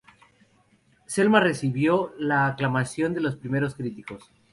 Selma recibió la aclamación de los primeros críticos.